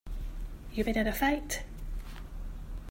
You been in a fight?